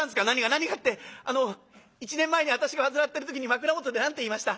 「何がってあの一年前に私が煩ってる時に枕元で何て言いました？